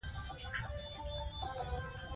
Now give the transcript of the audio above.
خو مسؤلیت مهم دی.